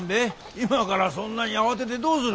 今からそんなに慌ててどうする。